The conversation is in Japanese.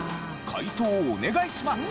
解答お願いします。